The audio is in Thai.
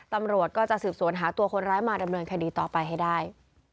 ตำรวจก็จะสืบสวนหาตัวคนร้ายมาดำเนินคดีต่อไปให้ได้